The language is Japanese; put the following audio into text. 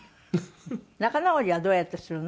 仲直りはどうやってするの？